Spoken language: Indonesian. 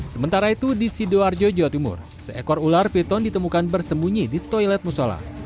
sementara itu di sidoarjo jawa timur seekor ular piton ditemukan bersembunyi di toilet musola